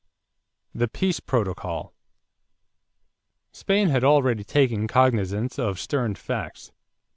=The Peace Protocol.= Spain had already taken cognizance of stern facts.